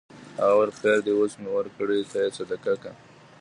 هغه وویل خیر دی اوس مې ورکړې ته یې صدقه کړه.